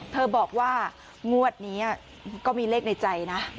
เธอบอกว่างวดนี้ก็มีเลขในใจนะ